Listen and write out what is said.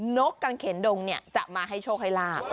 นกกางเข็นดงเนี่ยจะมาให้โชคให้ล่า